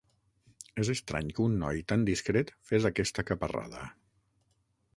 És estrany que un noi tan discret fes aquesta caparrada.